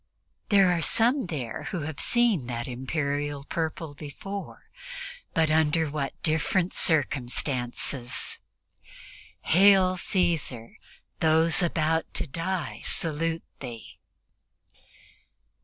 There are some there who have seen that Imperial purple before, but under what different circumstances "Hail, Caesar; those about to die salute thee!"